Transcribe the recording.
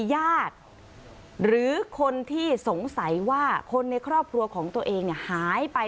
ญาติหรือคนที่สงสัยว่าคนในครอบครัวของตัวเองหายไป